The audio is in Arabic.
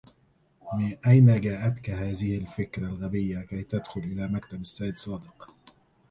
من أين جاءتكَ هذه الفكرة الغبية كي تدخل إلى مكتب السيّد صادق؟